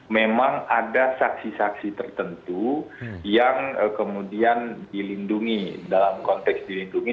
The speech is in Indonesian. memang ada saksi saksi tertentu yang kemudian dilindungi dalam konteks dilindungi